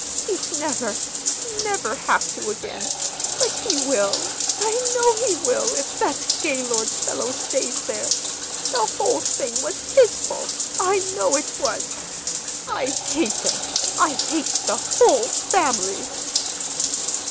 He'd never, never have to again. But he will, I know he will, if that Gaylord fellow stays there. The whole thing was his fault—I know it was. I hate him! I hate the whole family!"